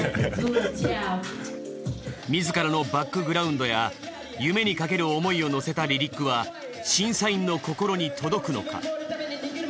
自らのバックグラウンドや夢にかける思いをのせたリリックは審査員の心に届くのか？